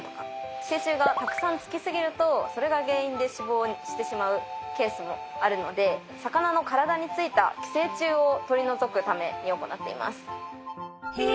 寄生虫がたくさんつきすぎるとそれが原因で死亡してしまうケースもあるので魚の体についた寄生虫を取り除くために行っています。